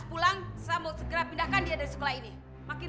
pokoknya saya akan segera pindahkan dia dari sekolah ini